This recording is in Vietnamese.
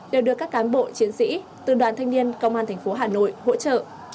đều được các cán bộ chiến sĩ từ đoàn thanh niên công an thành phố hà nội hỗ trợ